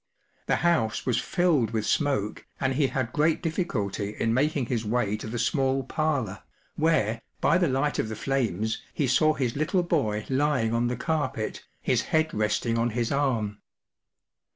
The house was filled with smoke, and he had great difficulty in making his way to the small parlour, where, by the light of the (lames, he saw his little boy lying on the carpet, his head rest¬ ing on his arm.